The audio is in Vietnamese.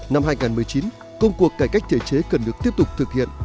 năm hai nghìn một mươi chín công cuộc cải cách thể chế cần được tiếp tục thực hiện